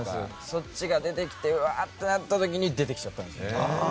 そっちが出てきてうわっとなった時に出てきちゃったんですよね。